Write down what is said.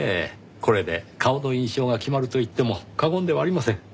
これで顔の印象が決まると言っても過言ではありません。